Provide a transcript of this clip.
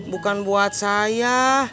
bukan buat saya